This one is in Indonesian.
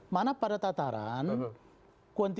mana pada tataran